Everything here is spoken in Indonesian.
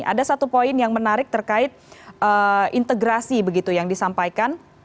ada satu poin yang menarik terkait integrasi begitu yang disampaikan